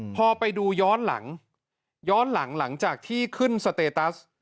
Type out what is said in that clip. พอไปดูย้อนหลังย้อนหลังหลังจากที่ขึ้นสเตตัส